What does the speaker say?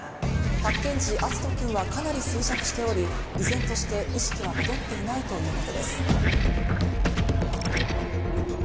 発見時篤斗君はかなり衰弱しており依然として意識は戻っていないということです。